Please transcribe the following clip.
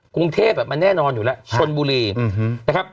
กรุงเทพฯมันแน่นอนอยู่ล่ะชลบุรี